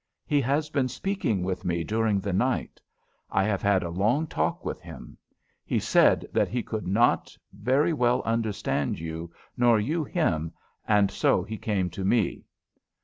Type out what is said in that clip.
"He has been speaking with me during the night. I have had a long talk with him. He said that he could not very well understand you, nor you him, and so he came to me."